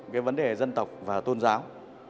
cái vấn đề dân tộc và tôn giáo